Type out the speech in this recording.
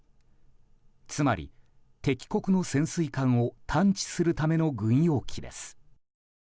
つまり、敵国の潜水艦を探知するための軍用機です。